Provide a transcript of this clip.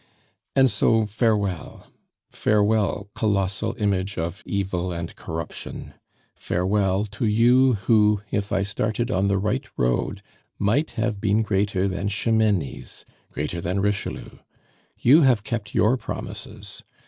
"And so, farewell. Farewell, colossal image of Evil and Corruption; farewell to you who, if started on the right road, might have been greater than Ximenes, greater than Richelieu! You have kept your promises.